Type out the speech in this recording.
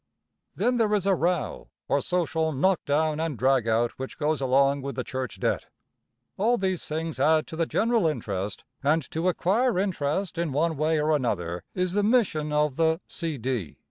Then there is a row or social knock down and drag out which goes along with the church debt. All these things add to the general interest, and to acquire interest in one way or another is the mission of the c.d.